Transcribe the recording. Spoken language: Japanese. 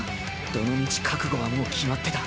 どのみち覚悟はもう決まってた。